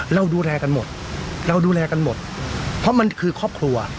เราดูแลกันหมดเราดูแลกันหมดเพราะมันคือครอบครัว